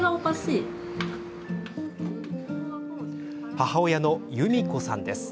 母親の、ゆみこさんです。